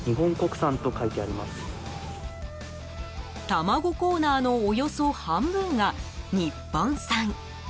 卵コーナーのおよそ半分が日本産。